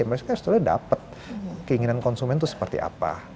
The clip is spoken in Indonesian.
mereka setelahnya dapat keinginan konsumen tuh seperti apa